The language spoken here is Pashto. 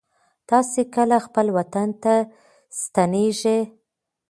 تاسې کله خپل وطن ته ستنېږئ؟